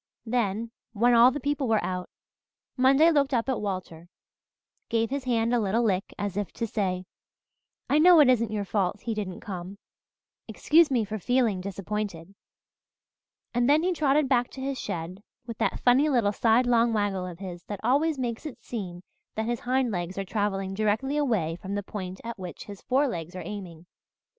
Then, when all the people were out, Monday looked up at Walter, gave his hand a little lick as if to say, 'I know it isn't your fault he didn't come excuse me for feeling disappointed,' and then he trotted back to his shed, with that funny little sidelong waggle of his that always makes it seem that his hind legs are travelling directly away from the point at which his forelegs are aiming.